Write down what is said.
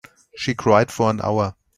She cried for an hour.